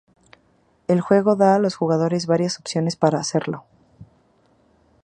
El juego da a los jugadores varias opciones para hacerlo.